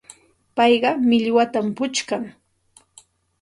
Payqa millwatam puchkan.